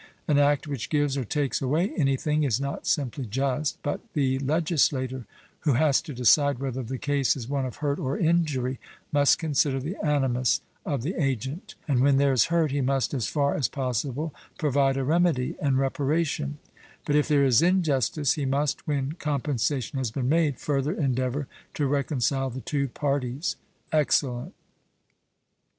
An act which gives or takes away anything is not simply just; but the legislator who has to decide whether the case is one of hurt or injury, must consider the animus of the agent; and when there is hurt, he must as far as possible, provide a remedy and reparation: but if there is injustice, he must, when compensation has been made, further endeavour to reconcile the two parties. 'Excellent.'